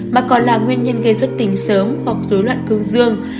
mà còn là nguyên nhân gây xuất tình sớm hoặc rối loạn cương dương